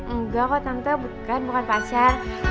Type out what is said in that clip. enggak kok tante bukan bukan pacar